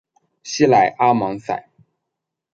西莱阿芒塞。